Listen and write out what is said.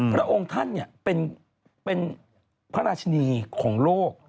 พระองค์ท่านเป็นพระราชินีของโลก